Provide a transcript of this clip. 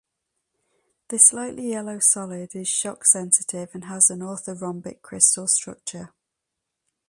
This slightly yellow solid is shock sensitive and has an orthorhombic crystal structure.